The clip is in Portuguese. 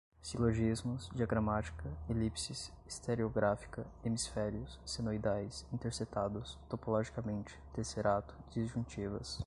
silogismos, diagramática, elipses, estereográfica, hemisférios, senoidais, intersetados, topologicamente, tesserato, disjuntivas